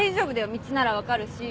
道なら分かるし。